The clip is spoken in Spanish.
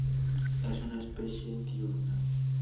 Es una especie diurna.